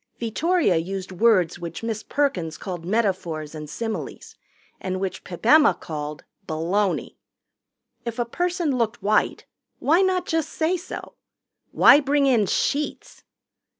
Vittoria used words which Miss Perkins called metaphors and similes and which Pip Emma called baloney. If a person looked white, why not just say so? Why bring in sheets?